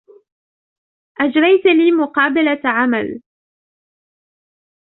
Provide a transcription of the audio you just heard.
أجريتْ لي مقابلة عمل.